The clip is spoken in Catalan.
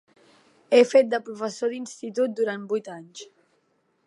He fet de professor d'institut durant vuit anys.